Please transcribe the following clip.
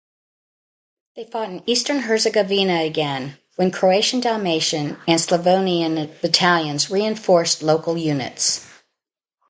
They fought in eastern Herzegovina again, when Croatian-Dalmatian and Slavonian battalions reinforced local units.